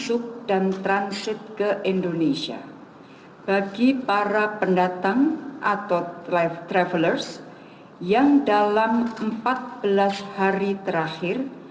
untuk indonesia bagi para pendatang atau travelers yang dalam empat belas hari terakhir